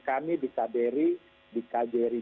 kami di kbri di kjri